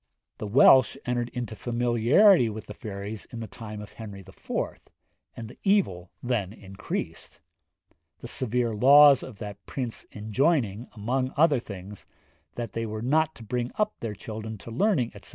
The Welsh entered into familiarity with the fairies in the time of Henry IV., and the evil then increased; the severe laws of that prince enjoining, among other things, that they were not to bring up their children to learning, etc.